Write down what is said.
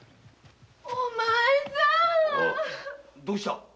どうした！？